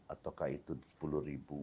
atau apakah itu sepuluh ribu